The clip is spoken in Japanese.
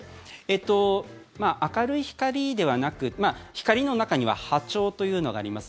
明るい光ではなく光の中には波長というのがあります。